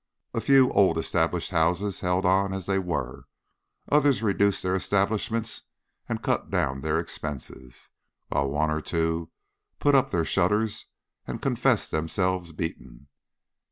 A few old established houses held on as they were, others reduced their establishments and cut down their expenses, while one or two put up their shutters and confessed themselves beaten.